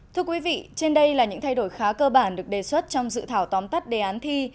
thưa quý vị trên đây là những thay đổi khá cơ bản được đề xuất trong dự thảo tóm tắt đề án thi